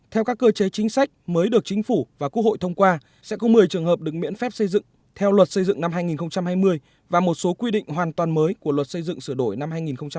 theo các cơ chế chính sách mới được chính phủ và quốc hội thông qua sẽ có một mươi trường hợp được miễn phép xây dựng theo luật xây dựng năm hai nghìn hai mươi và một số quy định hoàn toàn mới của luật xây dựng sửa đổi năm hai nghìn hai mươi